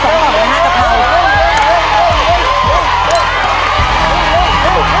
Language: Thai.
๓ให้น่ะครับ๓